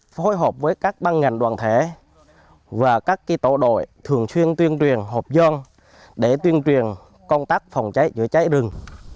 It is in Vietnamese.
phối hợp với các ban ngành đoàn thể và các tổ đội thường xuyên tuyên truyền hợp dân để tuyên truyền công tác phòng cháy chữa cháy rừng